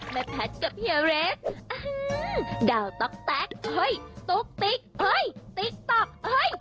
แพทย์กับเฮียเรสดาวต๊อกแต๊กเฮ้ยตุ๊กติ๊กเฮ้ยติ๊กต๊อกเอ้ย